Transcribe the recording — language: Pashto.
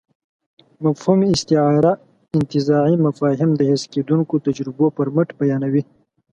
مفهومي استعاره انتزاعي مفاهيم د حس کېدونکو تجربو پر مټ بیانوي.